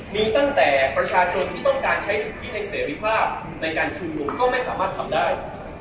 มีตั้งแต่ประชาชนที่ต้องการใช้สิทธิในเสรีภาพในการชุมนุมก็ไม่สามารถทำได้